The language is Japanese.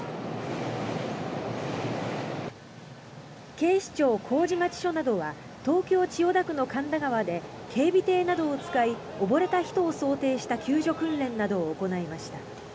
警視庁麹町署などは東京・千代田区の神田川で警備艇などを使い溺れた人を想定した救助訓練などを行いました。